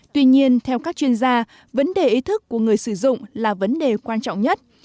tuy nhiên theo các chuyên gia vấn đề ý thức của người sử dụng là vấn đề quan trọng nhất